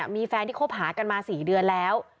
มีแฟนที่คบหากันมา๔เดือนแล้ว